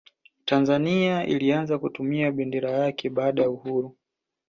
tanzania ilianza kutumia bendera yake baada ya uhuru